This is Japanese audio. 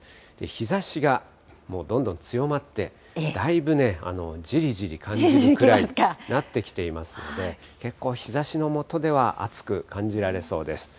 日ざしがもうどんどん強まって、だいぶじりじり感じるくらいになってきていますので、結構日ざしの下では暑く感じられそうです。